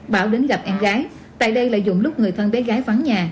bảo đến gặp em gái tại đây lợi dụng lúc người thân bé gái vắng nhà